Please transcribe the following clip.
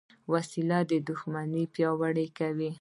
وسله د دوښمن پیاوړي کوي